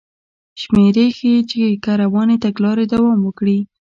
شمېرې ښيي چې که روانې تګلارې دوام وکړي